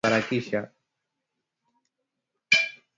upungufu wa vitamini A iliyo ndani ya viazi lishe husababisha kuharisha